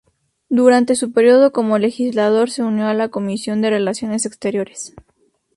Durante su periodo como legislador se unió a la Comisión de Relaciones Exteriores.